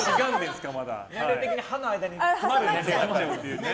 年齢的に歯の間に詰まるんだよね。